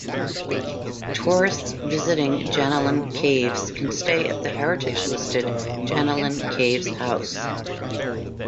Tourists visiting Jenolan Caves can stay at the heritage-listed Jenolan Caves House.